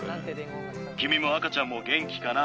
君も赤ちゃんも元気かな？